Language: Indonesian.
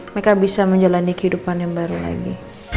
mereka bisa menjalani kehidupan yang baru lagi